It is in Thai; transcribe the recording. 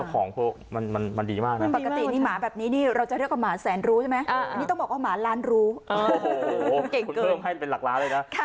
โอ้โหคุณเพิ่มให้เป็นหลักล้าเลยนะ